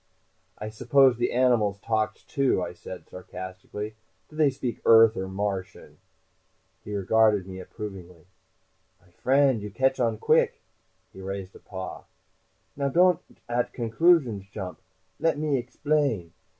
"I suppose the animals talked, too?" I said sarcastically. "Do they speak Earth or Martian?" He regarded me approvingly. "My friend, you catch on quick." He raised a paw. "Now, don't at conclusions jump. Let me exblain.